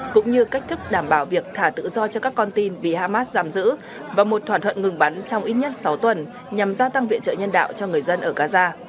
cũng như cách thức đảm bảo việc thả tự do cho các con tin vì hamas giam giữ và một thỏa thuận ngừng bắn trong ít nhất sáu tuần nhằm gia tăng viện trợ nhân đạo cho người dân ở gaza